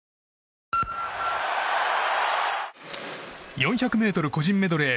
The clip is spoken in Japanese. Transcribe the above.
４００ｍ個人メドレー